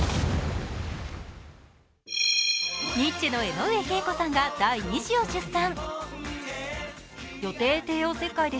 ニッチェの江上敬子さんが第２子を出産。